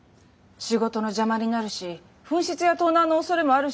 仕事の邪魔になるし紛失や盗難のおそれもあるし非常識でしょ。